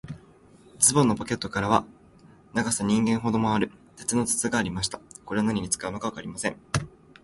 ズボンのポケットからは、長さ人間ほどもある、鉄の筒がありました。これは何に使うのかわかりません。